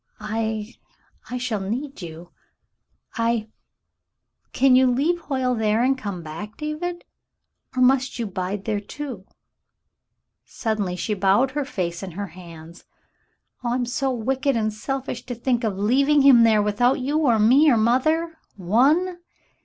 I — I shall need you, I — Can you leave Hoyle there and come back, David ? Or must you bide there, too ?" Suddenly she bowed her face in her hands. " Oh, I'm so wicked and selfish to think of leaving him there without you or me or mother — one.